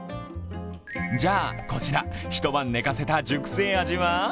じゃあ、こちら、一晩寝かせた熟成アジは？